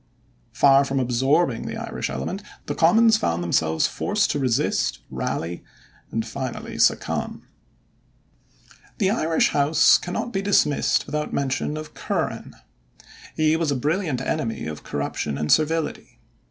Far from absorbing the Irish element, the Commons found themselves forced to resist, rally, and finally succumb. The Irish House cannot be dismissed without mention of Curran. He was a brilliant enemy of corruption and servility.